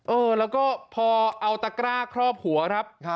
เออแล้วก็พอเอาตะกร้าครอบหัวครับ